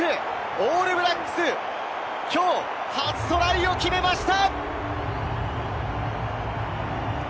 オールブラックス、きょう初トライを決めました！